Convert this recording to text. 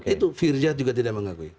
itu firja juga tidak mengakui